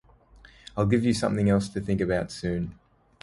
I'll give you something else to think about soon.